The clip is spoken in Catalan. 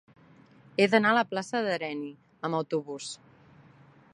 He d'anar a la plaça d'Herenni amb autobús.